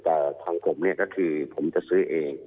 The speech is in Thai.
แต่ของผมเนี่ยก็คือผมจะซื้อเอง